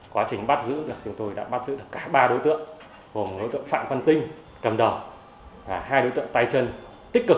quá trình bắt giữ là chúng tôi đã bắt giữ được cả ba đối tượng gồm đối tượng phạm văn tinh cầm đầu hai đối tượng tay chân tích cực